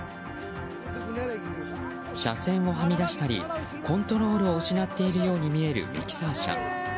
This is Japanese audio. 車線をはみ出したりコントロールを失っているように見えるミキサー車。